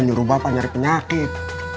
menurut bapak nyari penyakit